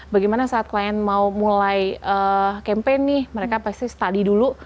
bagaimana saat klien mau mulai campaign nih mereka pasti study dulu